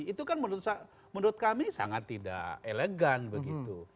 itu kan menurut kami sangat tidak elegan begitu